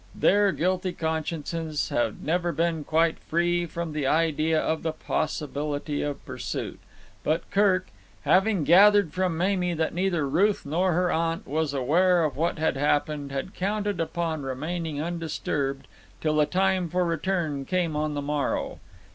Their guilty consciences had never been quite free from the idea of the possibility of pursuit; but Kirk, having gathered from Mamie that neither Ruth nor her aunt was aware of what had happened, had counted upon remaining undisturbed till the time for return came on the morrow.